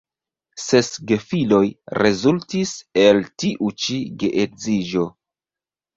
Ses gefiloj rezultis el tiu ĉi geedziĝo.